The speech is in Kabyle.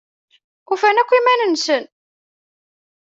Ufan akk iman-nsen.